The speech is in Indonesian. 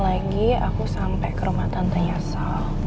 sepuluh menit lagi aku sampai ke rumah tante yasa